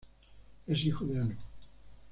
Es hijo de Anu.